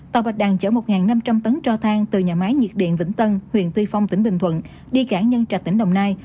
tàu bạch đằng chở một năm trăm linh tấn cho thang từ nhà máy nhiệt điện vĩnh tân huyện tuy phong tỉnh bình thuận đi cảng nhân trạch tỉnh đồng nai